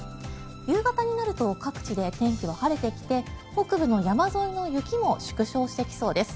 夕方になると各地で天気は晴れてきて北部の山沿いの雪も縮小してきそうです。